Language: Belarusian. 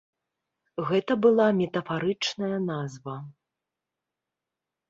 Гэта была метафарычная назва.